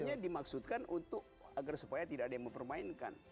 metodenya dimaksudkan agar supaya tidak ada yang mempermainkan